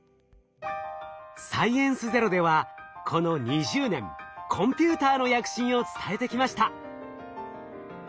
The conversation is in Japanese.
「サイエンスＺＥＲＯ」ではこの２０年コンピューターの躍進を伝えてきました。